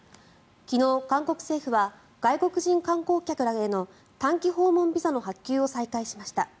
昨日、韓国政府は外国人観光客らへの短期訪問ビザの発給を再開しました。